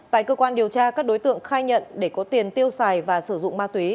tại cơ quan điều tra các đối tượng khai nhận để có tiền tiêu xài và sử dụng ma túy